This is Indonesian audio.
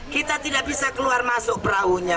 kita tidak bisa keluar masuk perahunya